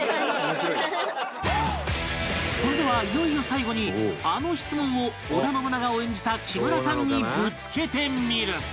それではいよいよ最後にあの質問を織田信長を演じた木村さんにぶつけてみる